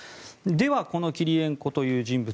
ではこのキリレンコという人物